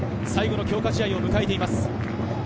最後の強化試合を迎えています。